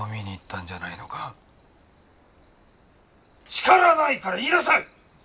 叱らないから言いなさい！